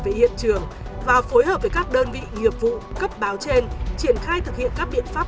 khám nghiệm và phối hợp với các đơn vị nghiệp vụ cấp báo trên triển khai thực hiện các biện pháp